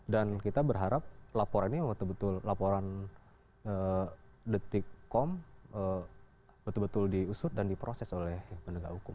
dan kita berharap laporan ini waktu betul laporan detikkom betul betul diusut dan diproses oleh penegakan hukum